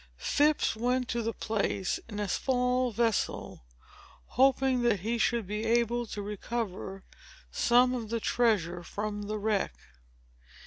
Phips went to the place in a small vessel, hoping that he should be able to recover some of the treasure from the wreck.